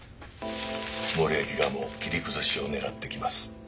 森脇側も切り崩しを狙ってきます。